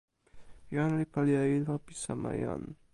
jan li pali e ilo pi sama jan.